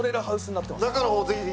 中の方ぜひぜひ。